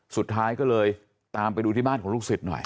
สุดท้ายก็เลยตามไปดูที่บ้านของลูกศิษย์หน่อย